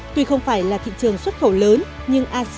tuy không phải là thị trường xuất khẩu lớn